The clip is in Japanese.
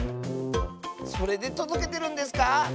それでとどけてるんですか？